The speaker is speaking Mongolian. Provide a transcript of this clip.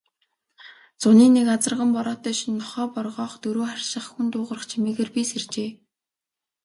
Зуны нэг азарган бороотой шөнө нохой боргоох, дөрөө харших, хүн дуугарах чимээгээр би сэржээ.